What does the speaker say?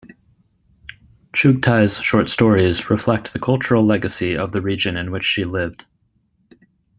Chughtai's short stories reflect the cultural legacy of the region in which she lived.